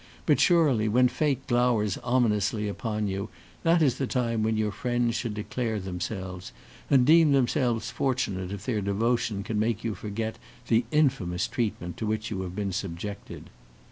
But surely, when fate glowers ominously upon you, that is the time when your friends should declare themselves and deem themselves fortunate if their devotion can make you forget the infamous treatment to which you have been subjected."